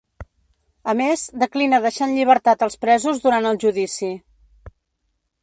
A més, declina deixar en llibertat els presos durant el judici.